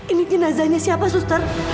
ini penazahnya siapa suster